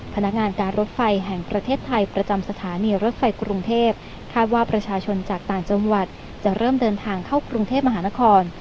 พนักงานการรถไฟแห่งประเทศไทยประจำสถานีรถไฟกรุงเทพคาดว่าประชาชนจากต่างจังหวัดจะเริ่มเดินทางเข้ากรุงเทพมหานคร